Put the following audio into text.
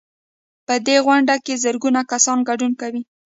په دې غونډه کې زرګونه کسان ګډون کوي.